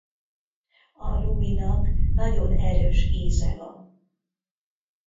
A luminak nagyon erős íze van.